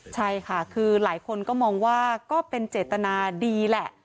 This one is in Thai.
ใช่ค่ะคือหลายคนก็มองว่าก็เป็นเจตนาดีแหละ